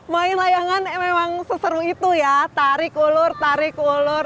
main layangan memang seseru itu ya tarik ulur tarik ulur